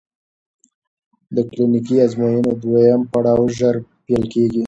د کلینیکي ازموینو دویم پړاو ژر پیل کېږي.